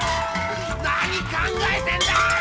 何考えてんだ。